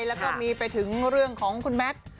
แล้วก็มีไปถึงเรื่องของคุณแมท